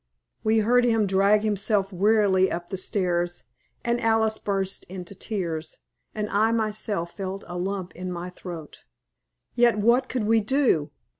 We heard him drag himself wearily up the stairs, and Alice burst into tears, and I myself felt a lump in my throat. Yet what could we do?